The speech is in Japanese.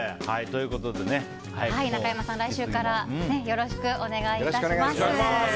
中山さん、来週からよろしくお願いします。